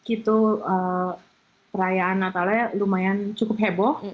itu perayaan natalnya lumayan cukup heboh